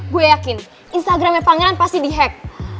gue yakin instagramnya pangeran pasti di hack